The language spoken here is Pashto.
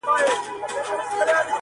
نو د کنفرانس تالار ته د ورتلو دمخه مي